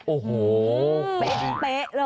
โอ้โหกานี้เป๊ะเลยเป๊ะ